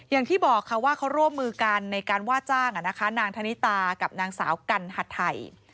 อย่างที่บอกค่ะว่าเขาร่วมมือกันในการว่าจ้างนางธนิตากับนางสาวกันหัดไทย